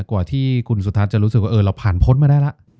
กว่าที่คุณสุทัศน์จะรู้สึกว่าเราผ่านพ้นมาได้แล้ว